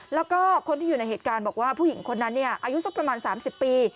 แล้วก็คนที่อยู่ในเหตุการณ์บอกว่าผู้หญิงคนนั้นอายุสักประมาณ๓๐ปี